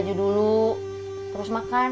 baju dulu terus makan